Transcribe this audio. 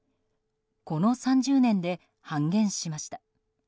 この３０年で半減しました。